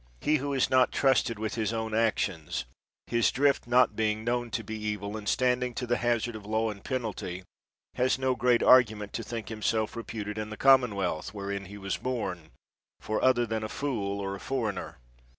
He who is not trusted with his own actions, his drift not being in— 7 97 THE WORLD'S FAMOUS ORATIONS known to be evil, and standing to the hazard of law and penalty, has no great argument to think himself reputed in the commonwealth, wherein he was born, for other than a fool or a foreigner.